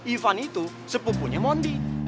ivan itu sepupunya moni